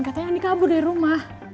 katanya ini kabur dari rumah